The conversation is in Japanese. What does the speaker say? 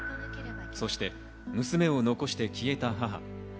そして娘を残して消えた母。